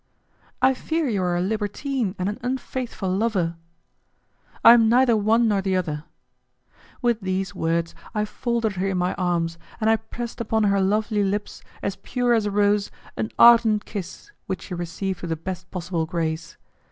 "I fear you are a libertine and an unfaithful lover." "I am neither one nor the other." With these words I folded her in my arms, and I pressed upon her lovely lips, as pure as a rose, an ardent kiss which she received with the best possible grace.